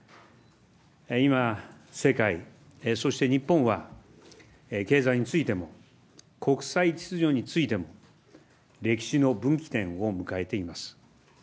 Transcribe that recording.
今、世界、そして日本は、経済についても、国際秩序についても、歴史の分岐点を迎えています。